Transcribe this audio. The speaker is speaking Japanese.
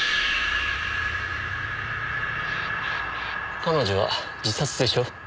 彼女は自殺でしょ？